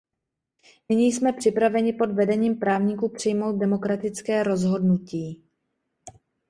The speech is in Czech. Nyní jsme připraveni pod vedením právníků přijmout demokratické rozhodnutí.